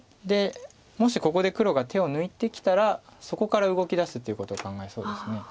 でもしここで黒が手を抜いてきたらそこから動きだすっていうことを考えそうです。